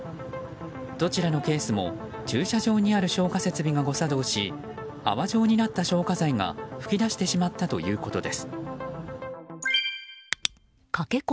どちらのケースも駐車場にある消火設備が誤作動し泡状になった消火剤が噴き出してしまったということです。